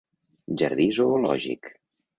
Jardí Zoològic.